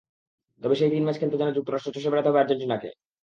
তবে সেই তিন ম্যাচ খেলতে যেন যুক্তরাষ্ট্র চষে বেড়াতে হবে আর্জেন্টিনাকে।